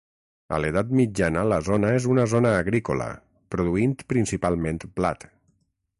A l'Edat Mitjana, la zona és una zona agrícola, produint principalment blat.